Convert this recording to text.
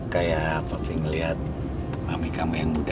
kayak papi ngeliat mami kami yang muda